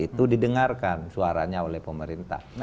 itu didengarkan suaranya oleh pemerintah